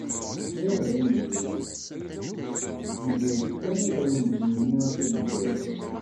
Sya ar yimir, yegra-d kan ad awen-d-nini afud igerrzen.